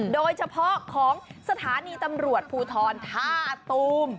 โดยเฉพาะของสถานีตำรวจภูทรท่าตูม